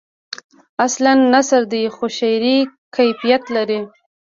اصلاً نثر دی خو شعری کیفیت لري.